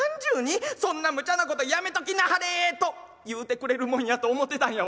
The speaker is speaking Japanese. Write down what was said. そんなムチャなことやめときなはれ』と言うてくれるもんやと思うてたんやわし。